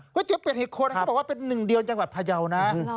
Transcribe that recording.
ก๋วยเตี๋ยวเป็ดเหศคมถ้าบอกว่าเป็น๑เดียวจังหวัดพญาวนะ